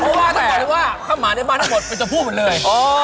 เพราะว่าถามอยู่ว่าข้างบนหมาทั้งหมดเป็นตัวพูดเหมือนเรื่อย